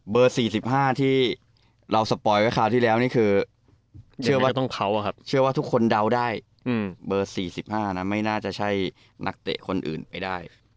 เบอร์๔๕ที่เราสปอยล์ก่อนคราวที่แล้วนี่คือเชื่อว่าทุกคนเดาได้เบอร์๔๕นั้นน่าจะใช่นักเตะคนอื่นไปได้